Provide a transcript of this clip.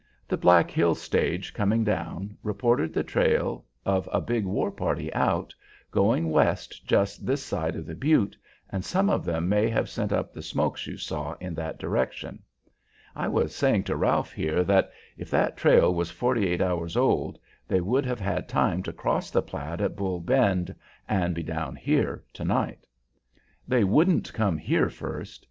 The Black Hills stage coming down reported trail of a big war party out, going west just this side of the Butte, and some of them may have sent up the smokes you saw in that direction. I was saying to Ralph, here, that if that trail was forty eight hours old, they would have had time to cross the Platte at Bull Bend, and be down here to night." "They wouldn't come here first.